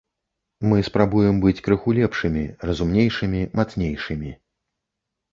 Мы спрабуем быць крыху лепшымі, разумнейшымі, мацнейшымі.